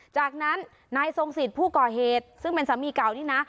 จากนั้นนายทรงสิทธิ์ผู้ก่อเหตุซึ่งเป็นสามีเก่านี่นะ